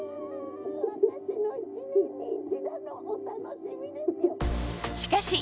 私の一年に一度のお楽しみです！